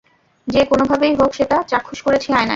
যে কোনোভাবেই হোক, সেটা চাক্ষুস করেছি আয়নায়!